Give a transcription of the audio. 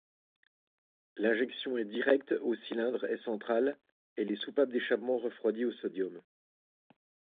L'injection est directe au cylindre et centrale, et les soupapes d'échappement refroidies au sodium.